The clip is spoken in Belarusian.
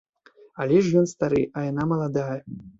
Але ж ён стары, а яна маладая.